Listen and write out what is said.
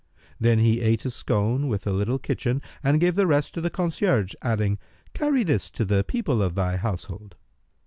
Then he ate a scone with a little kitchen[FN#308] and gave the rest to the concierge, adding, "Carry this to the people of thy household."